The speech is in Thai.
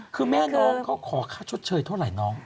คือแม่น้องเขาขอค่าชดเชยเท่าไหร่น้อง